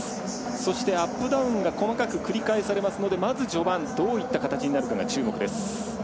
そしてアップダウンが細かく繰り返されますのでまず序盤どういった形になるのかが注目です。